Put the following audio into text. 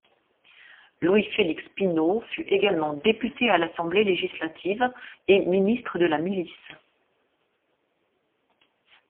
Louis-Félix Pinault fut également député à l'Assemblée législative et ministre de la Milice.